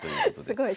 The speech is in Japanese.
すごい。